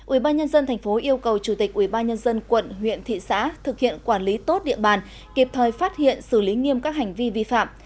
ubnd tp yêu cầu chủ tịch ubnd quận huyện thị xã thực hiện quản lý tốt địa bàn kịp thời phát hiện xử lý nghiêm các hành vi vi phạm